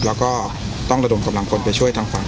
แล้วก็ต้องระดมกำลังคนไปช่วยทางฝั่ง